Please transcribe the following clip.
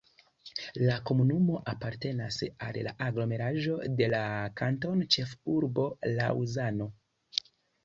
La komunumo apartenas al la aglomeraĵo de la kantonĉefurbo Laŭzano.